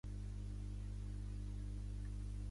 Així que no hi ha res més a parlar, Jeeves.